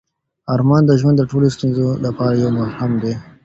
ارمان د ژوند د ټولو ستونزو لپاره یو مرهم دی.